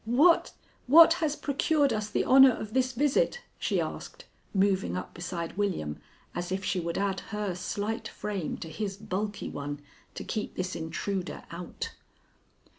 "What what has procured us the honor of this visit?" she asked, moving up beside William as if she would add her slight frame to his bulky one to keep this intruder out.